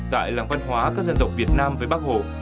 tại làng văn hóa các dân tộc việt nam với bắc hồ